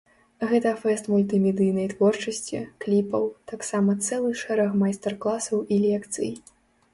Гэта фэст мультымедыйнай творчасці, кліпаў, таксама цэлы шэраг майстар-класаў і лекцый.